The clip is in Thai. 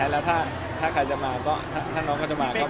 แล้วถ้าใครจะมาก็ถ้าน้องเขาจะมาก็